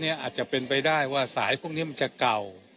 อาจจะเป็นไปได้ว่าสายพวกนี้มันจะเก่า